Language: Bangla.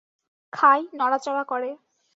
খায়, নড়াচড়া করে।